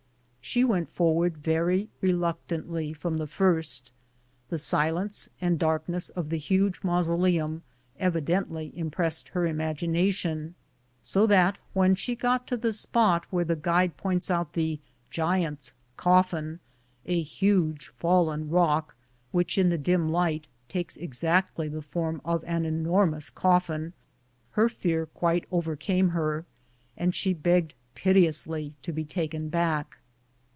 She went forward very reluctantly from the first; the silence and the darkness of the huge mausoleum evidently impressed her imagination, so that when she got to the spot where the guide points out the "Giant's Coffin," a huge, fallen rock, which, in the dim light takes exactly the form of an enormous cofiin, her fear quite over came her, and she begged piteously to be taken back.